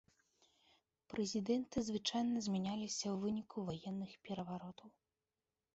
Прэзідэнты звычайна змяняліся ў выніку ваенных пераваротаў.